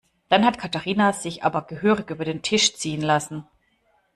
Dann hat Katharina sich aber gehörig über den Tisch ziehen lassen.